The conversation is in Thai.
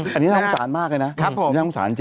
อันนี้น่าทักน้องศาลมากเลยนะ